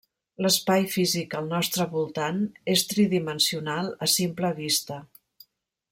L'espai físic al nostre voltant és tridimensional a simple vista.